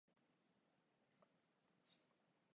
おさきにしつれいします